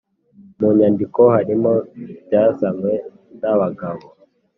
mu nyandiko harimo byazanywe n abagabo